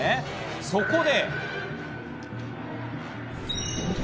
そこで。